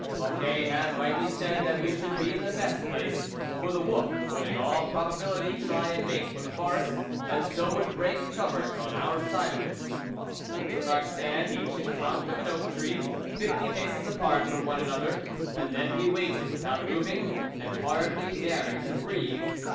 Mocquet had rightly said that we should be in the best place, for the wolf would in all probability try and make for the forest, and so would break covert on our side of it. We took our stand, each in front of an oak tree, fifty paces apart from one another, and then we waited, without moving, and hardly daring to breathe.